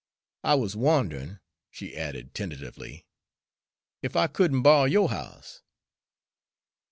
I wuz wonderin'," she added tentatively, "ef I could n' borry yo' house."